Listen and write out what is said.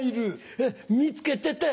うわ見つかっちゃった。